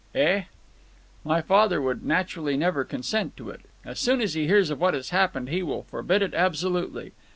"Eh?" "My father would naturally never consent to it. As soon as he hears of what has happened he will forbid it absolutely.